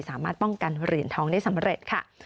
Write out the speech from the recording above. สามารถป้องกันเหรียญทองได้สำเร็จค่ะ